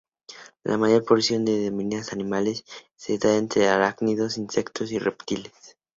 La mayor proporción de endemismos animales se da entre los arácnidos, insectos y reptiles.